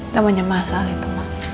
temennya masalah itu